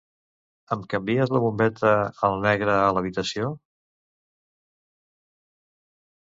Em canvies la bombeta al negre a l'habitació?